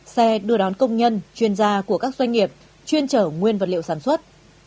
xe đưa đón công nhân chuyên gia của các doanh nghiệp chuyên trở nguyên vật liệu sản xuất